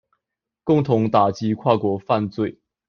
共同打擊跨國犯罪